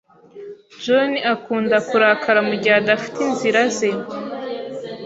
John akunda kurakara mugihe adafite inzira ze.